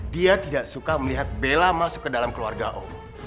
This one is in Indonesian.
dia tidak suka melihat bella masuk ke dalam keluarga om